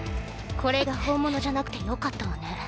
これが本物じゃなくてよかったわね。